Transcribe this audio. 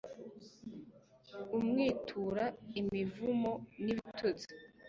umwitura imivumo n'ibitutsi